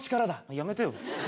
やめてよ。